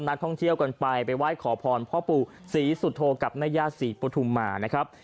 นักท่องเที่ยวกันไปไปไหว้ขอพรพ่อปู่ศรีสุโธกับแม่ย่าศรีปฐุมมานะครับ